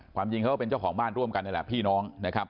จริงเขาก็เป็นเจ้าของบ้านร่วมกันนี่แหละพี่น้องนะครับ